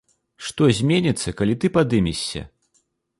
Што зменіцца, калі ты падымешся?